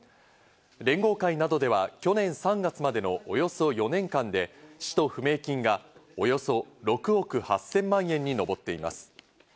連合会などでは、去年３月までのおよそ４年間で、使途不明金がおよそ６億８０００万円に上っています。